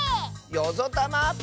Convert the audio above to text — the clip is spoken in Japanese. よぞたま！